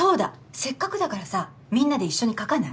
せっかくだからさみんなで一緒に描かない？え。